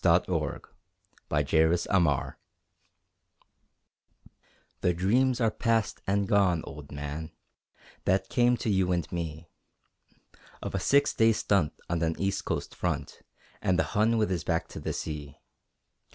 THE VOLUNTEER (1914 1919) The dreams are passed and gone, old man, That came to you and me, Of a six days' stunt on an east coast front, And the Hun with his back to the sea.